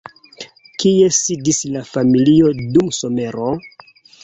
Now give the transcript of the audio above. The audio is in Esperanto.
Kie sidis la familio dum somero?